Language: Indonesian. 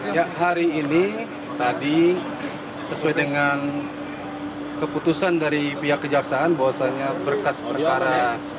ya hari ini tadi sesuai dengan keputusan dari pihak kejaksaan bahwasannya berkas perkara